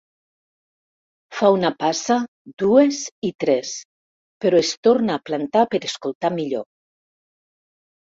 Fa una passa, dues i tres, però es torna a plantar per escoltar millor.